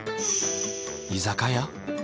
居酒屋？